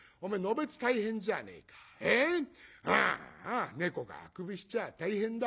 ああ猫があくびしちゃあ大変だ。